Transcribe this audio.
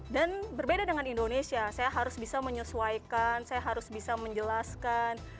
dan berbeda dengan indonesia saya harus bisa menyesuaikan saya harus bisa menjelaskan